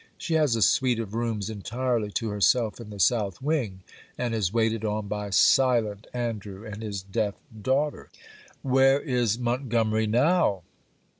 She has a suite of rooms entirely to herself in the south wing, and is waited on by silent Andrew and his deaf daughter ' 'Where is Montgomery now?'